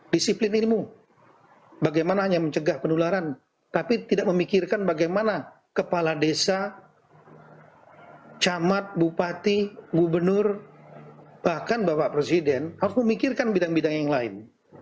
disiplin ilmu bagaimana hanya mencegah penularan tapi tidak memikirkan bagaimana kepala desa camat bupati gubernur bahkan bapak presiden harus memikirkan bidang bidang yang lain